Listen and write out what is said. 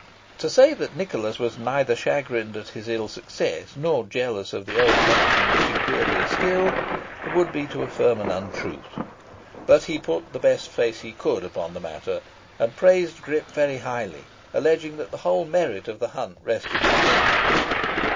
To say that Nicholas was neither chagrined at his ill success, nor jealous of the old huntsman's superior skill, would be to affirm an untruth; but he put the best face he could upon the matter, and praised Grip very highly, alleging that the whole merit of the hunt rested with him.